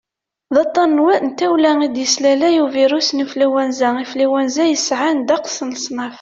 d aṭṭan n tawla i d-yeslalay ubirus n anflwanza influenza yesɛan ddeqs n leṣnaf